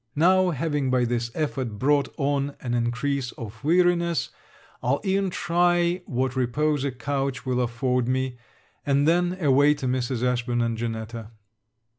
Now, having by this effort brought on an increase of weariness, I'll e'en try what repose a couch will afford me; and then away to Mrs. Ashburn and Janetta.